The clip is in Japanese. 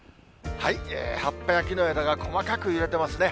葉っぱや木の枝が細かく揺れていますね。